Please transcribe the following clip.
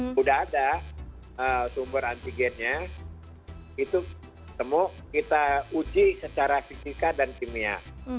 sudah ada sumber antigennya itu semua kita uji secara fisika dan kimia